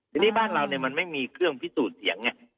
ทีนี้บ้านเราเนี่ยมันไม่มีเครื่องพิสูจน์เสียงไง